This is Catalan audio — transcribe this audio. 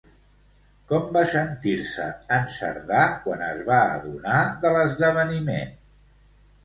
Com va sentir-se en Cerdà quan es va adonar de l'esdeveniment?